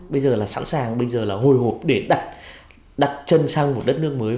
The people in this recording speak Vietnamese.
bây giờ là sẵn sàng bây giờ là hồi hộp để đặt chân sang một đất nước mới